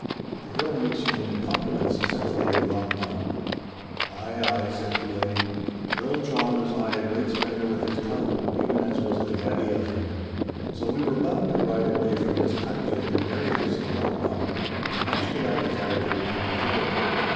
'The Earl makes you many compliments,' said the Lady Lochnaw. 'Ay, ay,' said Culzean, 'Earl John was aye a great spender with his tongue, even as was the daddy of him.' So we were bound to ride away from this kindly and merry house of Lochnaw, and much did I desire to return thither.